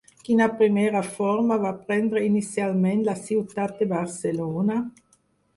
Quina primera forma va prendre inicialment la ciutat de Barcelona?